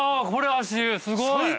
これ足湯すごい。